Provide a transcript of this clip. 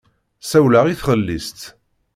Ssawleɣ i tɣellist.